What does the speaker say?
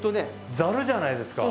ざるじゃないですか。